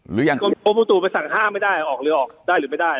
หรือยังกรมอุตุไปสั่งห้ามไม่ได้ออกเรือออกได้หรือไม่ได้